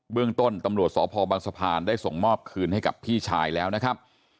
เรื่องต้นตำรวจสพบังสะพานได้ส่งมอบคืนให้กับพี่ชายแล้วนะครับ